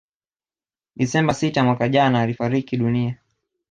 Desemba sita mwaka jana alifariki dunia